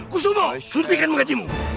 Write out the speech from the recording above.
kusumo sultikan mengacimu